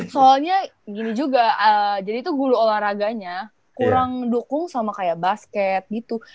soalnya gini juga jadi itu guru olahraganya kurang mendukung sama kayak basket gitu